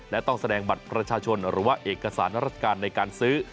และต้องแสดงบัตรประชาชนหรือว่าเอกสารราชการในการซื้อ